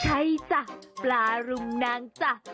ใช่จ้ะปลารุมนางจ้ะ